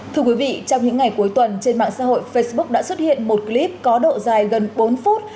thưa quý vị trong những ngày cuối tuần trên mạng xã hội facebook đã xuất hiện một clip có độ dài gần bốn phút